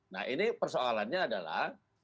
nah ini persoalannya adalah